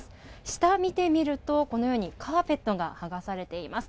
下、見てみるとこのようにカーペットが剥がされています。